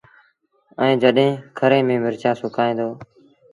ائيٚݩ جڏهيݩ کري ميݩ مرچ سُڪآئي دو